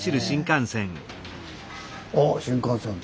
あっ新幹線だ。